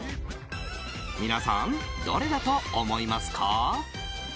皆さん、どれだと思いますか？